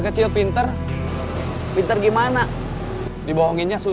kan ke begini ya